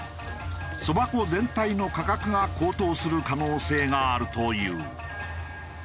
そば粉全体の価格が高騰する可能性があるという。